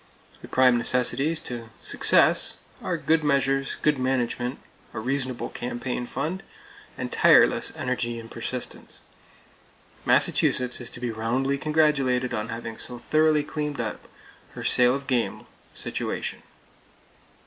The prime necessities to success are good measures, good management, a reasonable [Page 285] campaign fund, and tireless energy and persistence. Massachusetts is to be roundly congratulated on having so thoroughly cleaned up her sale of game situation.